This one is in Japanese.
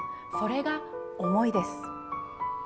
それが「思い」です。